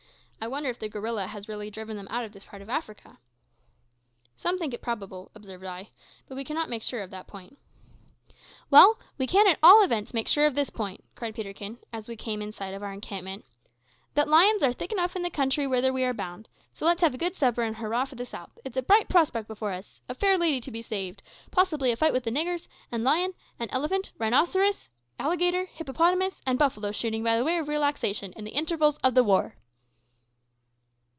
I wonder if the gorilla has really driven them out of this part of Africa." "Some think it probable," observed I, "but we cannot make sure of that point." "Well, we can at all events make sure of this point," cried Peterkin, as we came in sight of our encampment, "that lions are thick enough in the country whither we are bound; so let's have a good supper, and hurrah for the south! It's a bright prospect before us. A fair lady to be saved; possibly a fight with the niggers, and lion, elephant, rhinoceros, alligator, hippopotamus, and buffalo shooting by way of relaxation in the intervals of the war!"